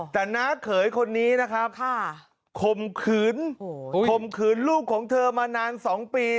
แต่น้าเขยคนนี้นะครับข่มขืนข่มขืนลูกของเธอมานาน๒ปี